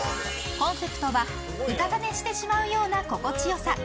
コンセプトはうたた寝してしまうような心地よさ。